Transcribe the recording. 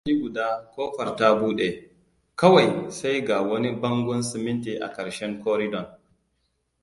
Lokaci guda ƙofar ta buɗe, kawai sai ga wani bangon siminti a ƙarshen koridon.